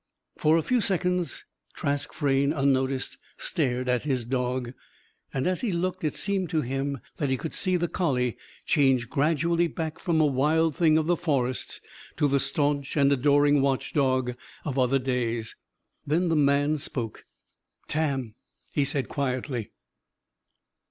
For a few seconds Trask Frayne, unnoticed, stared at his dog. And, as he looked, it seemed to him he could see the collie change gradually back from a wild thing of the forests to the staunch and adoring watchdog of other days. Then the man spoke. "Tam!" he said, quietly.